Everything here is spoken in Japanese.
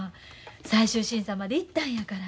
最終審査まで行ったんやから。